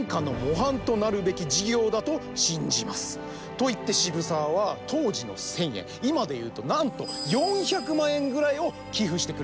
と言って渋沢は当時の１，０００円今で言うとなんと４００万円ぐらいを寄付してくれたわけなんです。